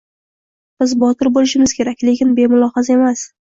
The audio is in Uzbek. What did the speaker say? Biz botir bo‘lishimiz kerak, lekin bemulohaza emas